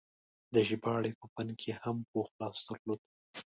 د ژباړې په فن کې یې هم پوخ لاس درلود.